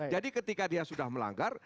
jadi ketika dia sudah melanggar